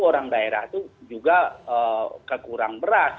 orang daerah itu juga kekurang beras